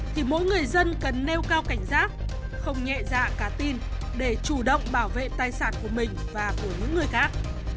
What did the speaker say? thì mỗi người dân cần nêu cao cảnh giác không nhẹ dạ cả tin để chủ động bảo vệ tài sản của mình và của những người khác